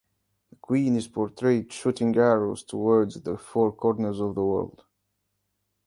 The queen is portrayed shooting arrows towards the four corners of the world.